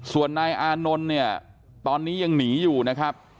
ส่วนนายอานนท์เนี่ยตอนนี้ยังหนีอยู่นะครับ